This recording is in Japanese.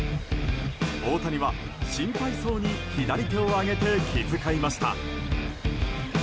大谷は心配そうに左手を上げて気遣いました。